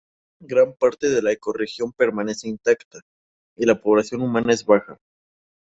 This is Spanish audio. Gran parte de la ecorregión permanece intacta, y la población humana es baja.